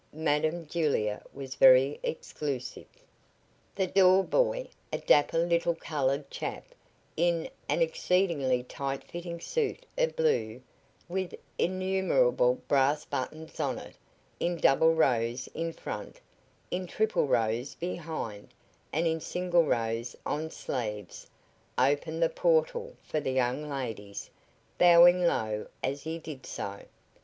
Madam Julia was very exclusive. The door boy, a dapper little colored chap, in an exceedingly tight fitting suit of blue, with innumerable brass buttons on it, in double rows in front, in triple rows behind, and in single rows on sleeves, opened the portal for the young ladies, bowing low as he did so.